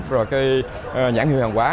rồi cái nhãn hiệu hàng hóa